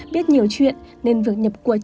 biết nhiều chuyện nên việc nhập cuộc